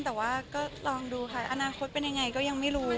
แต่ว่าก็ลองดูค่ะอนาคตเป็นยังไงก็ยังไม่รู้